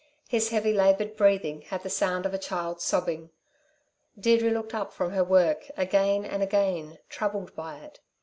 His heavy laboured breathing had the sound of a child sobbing. Deirdre looked up from her work, again and again, troubled by it.